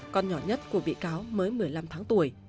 con nhỏ nhất của bị cáo mới một mươi năm tháng tuổi